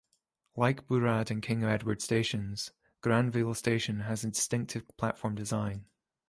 Like Burrard and King Edward stations, Granville station has a distinctive platform design.